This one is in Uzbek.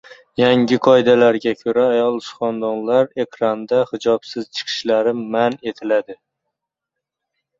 Yangi qoidalarga ko‘ra ayol suxandonlar ekranda hijobsiz chiqishi man etiladi.